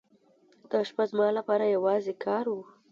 دا شپه زما لپاره یوازې کار و.